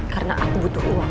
karena aku butuh uang